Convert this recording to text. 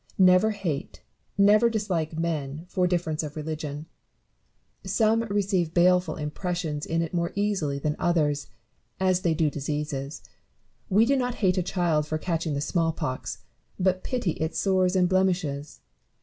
Never hate, never dislike men, for difference of religion. BARROW AND NEWTON. 199 Some receive baleful impressions in it more easily than others, as they do diseases. We do not hate a child for catching the small pox, but pity its sores and blemishes.